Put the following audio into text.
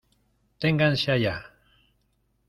¡ ténganse allá!